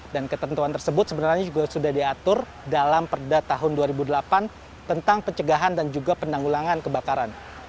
dan ketentuan tersebut sebenarnya juga sudah diatur dalam perda tahun dua ribu delapan tentang pencegahan dan juga pendanggulangan kebakaran